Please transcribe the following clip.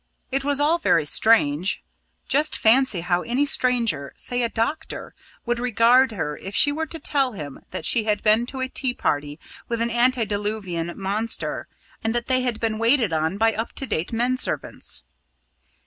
It was all very strange. Just fancy how any stranger say a doctor would regard her, if she were to tell him that she had been to a tea party with an antediluvian monster, and that they had been waited on by up to date men servants.